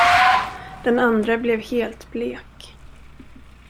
Den andre blev helt blek.